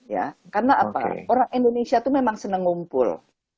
ya karena apa orang indonesia itu memang senang ngumpul